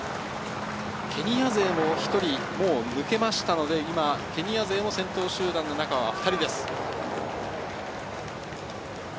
ケニア勢も１人、もう抜けましたので、ケニア勢も先頭集団の中は２人です。